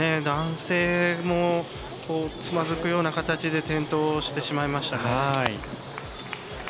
男性もつまずくような形で転倒してしまいました。